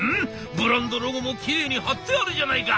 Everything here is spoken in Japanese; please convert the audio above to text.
ブランドロゴもキレイに貼ってあるじゃないか。